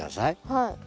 はい。